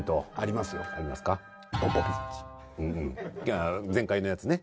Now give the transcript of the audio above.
ああ前回のやつね。